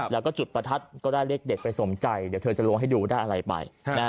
แล้วก็จุดประทัดก็ได้เลขเด็ดไปสมใจเดี๋ยวเธอจะลวงให้ดูได้อะไรไป